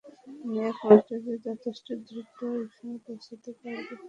আমিই একমাত্র যে যথেষ্ট দ্রুত ওখানে পৌঁছাতে পারবে।